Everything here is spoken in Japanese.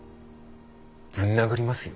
ぶん殴りますよ。